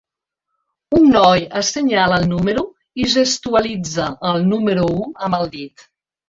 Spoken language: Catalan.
Un noi assenyala el número i gestualitza el número u amb el dit.